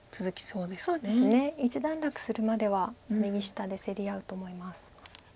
そうですね一段落するまでは右下で競り合うと思います。